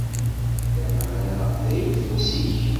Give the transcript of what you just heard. Lameɛna d ayeffus-ik.